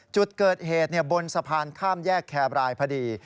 จุดเกิดเหตุบนสะพานข้ามแยกแคบรายพอดี